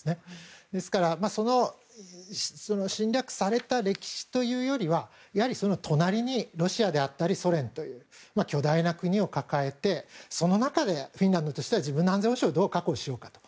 ですから侵略された歴史というよりはやはり隣にロシア、ソ連という巨大な国を抱えてその中でフィンランドとしては自分の安全保障をどう確保しようかと。